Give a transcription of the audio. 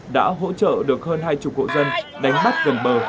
đã hỗ trợ được hơn hai mươi hộ dân đánh bắt gần bờ